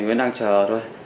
đoán chờ thôi